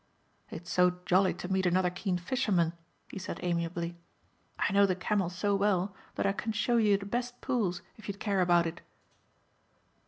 "It's so jolly to meet another keen fisherman," he said amiably, "I know the Camel so well that I can show you the best pools if you'd care about it."